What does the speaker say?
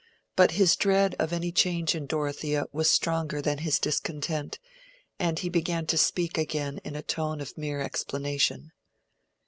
But his dread of any change in Dorothea was stronger than his discontent, and he began to speak again in a tone of mere explanation.